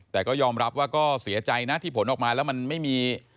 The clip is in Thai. แต่ก็ยอมรับว่าก็เสียใจนะที่ผลออกมาแล้วมันไม่มี